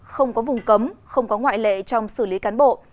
không có vùng cấm không có ngoại lệ trong xử lý cán bộ